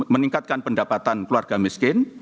meningkatkan pendapatan keluarga miskin